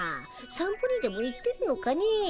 「散歩にでも行ってるのかねぇ」。